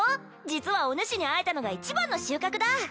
実はおぬしに会えたのが一番の収穫だ